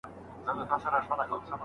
هغه څانګه چي تېر مهال څېړي تاریخ نومیږي.